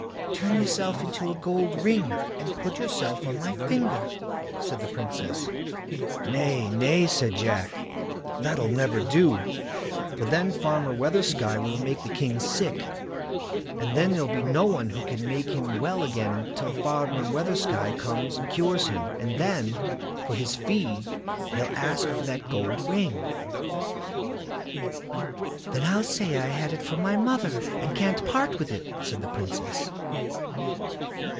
"Turn yourself into a gold ring, and put yourself on my finger", said the Princess. "Nay, nay!" said Jack, "that'll never do, for then Farmer Weathersky will make the king sick, and then there'll be no one who can make him well again till Farmer Weathersky comes and cures him, and then, for his fee, he'll ask for that gold ring." "Then I'll say I had it from my mother, and can't part with it", said the Princess.